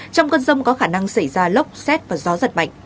trong cơn rông có khả năng xảy ra lốc xét và gió giật mạnh